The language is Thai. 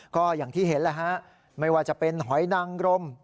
ก็อย่างที่เห็นไม่ว่าจะเป็นหอยนังกลม